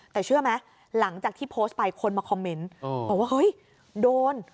แต่เชื่อไหมหลังจากที่โพสต์ไปคนมาคอมเมนต์บอกว่าเฮ้ยโดน